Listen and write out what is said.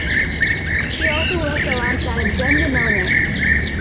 She also worked alongside Brenda Milner.